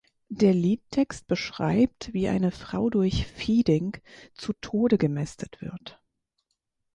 Der Liedtext beschreibt, wie eine Frau durch Feeding zu Tode gemästet wird.